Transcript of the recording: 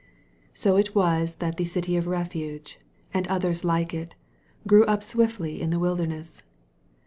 So it was that the City of Refuge (and others like it) grew up swiftly in the wilderness.